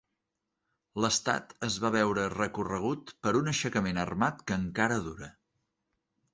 L'estat es va veure recorregut per un aixecament armat que encara dura.